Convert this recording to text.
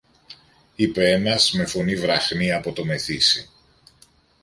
είπε ένας με φωνή βραχνή από το μεθύσι.